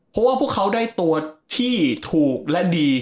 เพราะว่าพวกเขาได้ตัวที่ถูกและดี